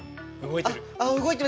動いてる！